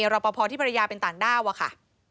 รับประพอที่ภรรยาเป็นต่างด้าวค่ะ